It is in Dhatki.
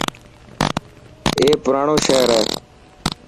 اي پراڻو شهر هي.